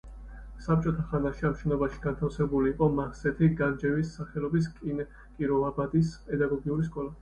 საბჭოთა ხანაში ამ შენობაში განთავსებული იყო მაჰსეთი განჯევის სახელობის კიროვაბადის პედაგოგიური სკოლა.